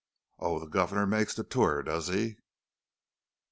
"Oh, the governor makes the tour, does he?"